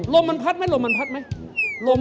ลมมันพัดไหมลมมันพัดไหม